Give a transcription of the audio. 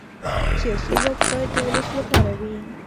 سیاسي واک باید د ولس لپاره وي